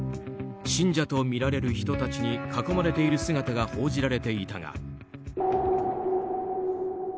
信者とみられる人たちに囲まれている姿が報じられていたが。